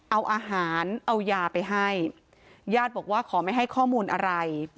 เอาอาหารเอายาไปให้ญาติบอกว่าขอไม่ให้ข้อมูลอะไร